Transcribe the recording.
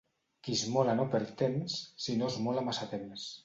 Qui esmola no perd temps, si no esmola massa temps.